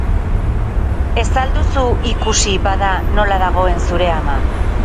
Ez al duzu ikusi, bada, nola dagoen zure ama?